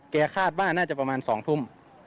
คาดว่าน่าจะประมาณ๒ทุ่ม